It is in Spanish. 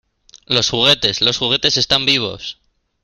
¡ Los juguetes! ¡ los juguetes están vivos !